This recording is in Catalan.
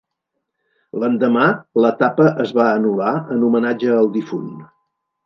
L'endemà l'etapa es va anul·lar en homenatge al difunt.